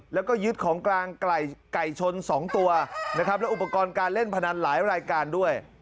แล้วก็ยึดของกลางไก่ชน๒ตัวนะครับและอุปกรณ์การเล่นพนันหลายรายการด้วย